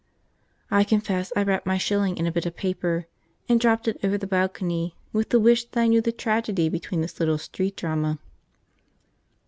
I confess I wrapped my shilling in a bit of paper and dropped it over the balcony with the wish that I knew the tragedy behind this little street drama.